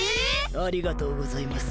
ありがとうございます。